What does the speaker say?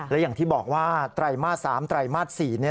และอย่างที่บอกว่าไตรมาส๓ไตรมาส๔